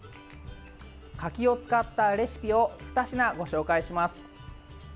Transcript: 柿を使ったレシピを２品ご紹介します。